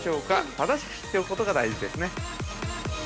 正しく知っておくことが大事ですね。